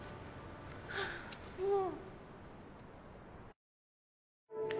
ああもう。